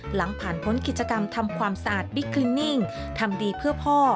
หลังผ่านพ้นกิจกรรมทำความสะอาดบิ๊กคลินิ่งทำดีเพื่อพ่อ